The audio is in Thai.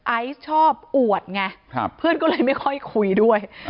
ไอซ์ชอบอวดไงเพื่อนก็เลยไม่ค่อยคุยด้วย